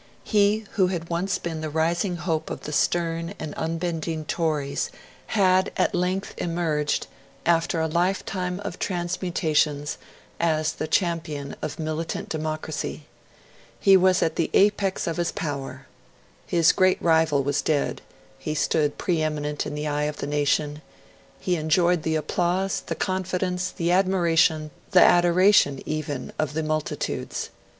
He who had once been the rising hope of the stern and unbending Tories, had at length emerged, after a lifetime of transmutations, as the champion of militant democracy. He was at the apex of his power. His great rival was dead; he stood pre eminent in the eye of the nation; he enjoyed the applause, the confidence, the admiration, the adoration, even, of multitudes.